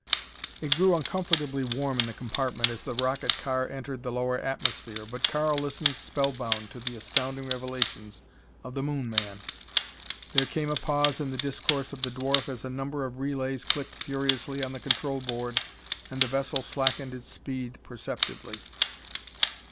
It grew uncomfortably warm in the compartment as the rocket car entered the lower atmosphere but Karl listened spellbound to the astounding revelations of the Moon man. There came a pause in the discourse of the dwarf as a number of relays clicked furiously on the control board and the vessel slackened its speed perceptibly.